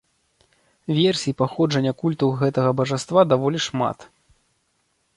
Версій паходжання культу гэтага бажаства даволі шмат.